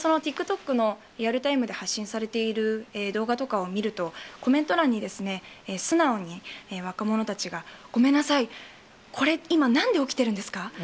そのＴｉｋＴｏｋのリアルタイムで発信されている動画とかを見ると、コメント欄に、素直に、若者たちが、ごめんなさい、これ、今、なんで起きてるんですか？